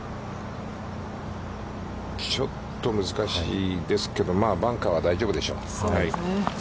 ちょっと難しいですけれども、バンカーは大丈夫でしょう。